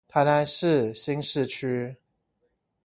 台南市新市區